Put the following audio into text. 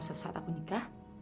kalau sesuatu saat aku nikah